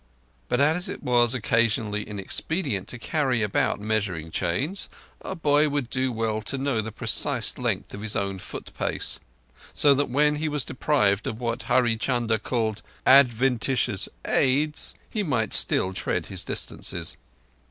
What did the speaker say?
But as it was occasionally inexpedient to carry about measuring chains a boy would do well to know the precise length of his own foot pace, so that when he was deprived of what Hurree Chunder called adventitious aids he might still tread his distances.